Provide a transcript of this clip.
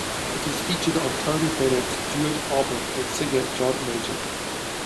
It is featured on Tony Bennett's Duet album with singer John Legend.